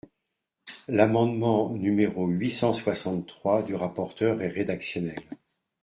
L’amendement numéro huit cent soixante-trois du rapporteur est rédactionnel.